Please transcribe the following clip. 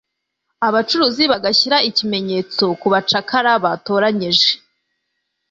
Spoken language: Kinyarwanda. abacuruzi bagashyira ikimenyetso ku bacakara batoranyije.